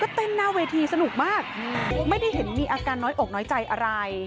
เต้นหน้าเวทีสนุกมากไม่ได้เห็นมีอาการน้อยอกน้อยใจอะไร